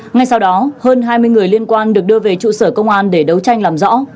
ngay sau đó hơn hai mươi người liên quan được đưa về trụ sở công an để đấu tranh làm rõ